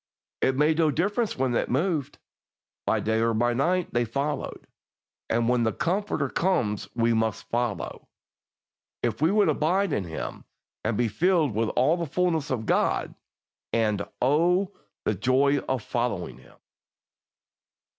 It made no difference when it moved by day or by night, they followed; and when the Comforter comes we must follow, if we would abide in Him and be filled with all the fullness of God. And, Oh, the joy of following Him!